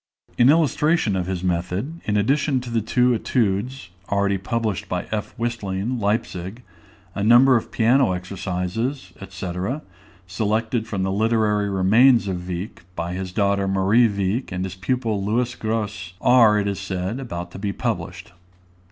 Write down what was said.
In illustration of his method, in addition to the two Etudes, already published by F. Whistling, Leipzig, a number of piano exercises, &c., selected from the literary remains of Wieck, by his daughter Marie Wieck and his pupil Louis Grosse, are, it is said, about to be published.